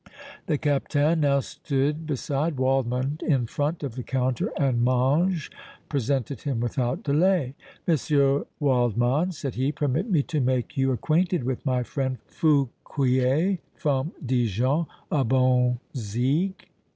The Captain now stood beside Waldmann in front of the counter and Mange presented him without delay. "Monsieur Waldmann," said he, "permit me to make you acquainted with my friend Fouquier, from Dijon, a bon zigue."